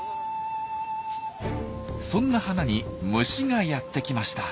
そんな花に虫がやってきました。